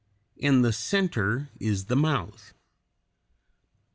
In the center is the mouth.